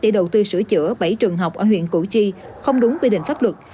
để đầu tư sửa chữa bảy trường học ở huyện củ chi không đúng quy định pháp luật